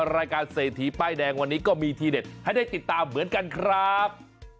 รายการเศรษฐีป้ายแดงวันนี้ก็มีทีเด็ดให้ได้ติดตามเหมือนกันครับ